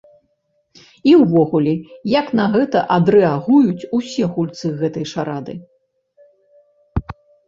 І ўвогуле як на гэта адрэагуюць ўсе гульцы гэтай шарады.